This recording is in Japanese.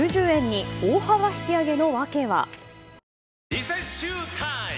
リセッシュータイム！